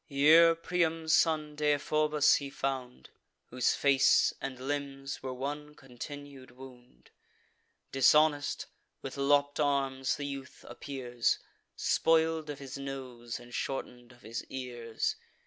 Here Priam's son, Deiphobus, he found, Whose face and limbs were one continued wound: Dishonest, with lopp'd arms, the youth appears, Spoil'd of his nose, and shorten'd of his ears.